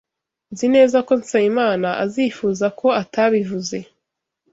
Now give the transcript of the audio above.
Nzi neza ko Nsabimana azifuza ko atabivuze.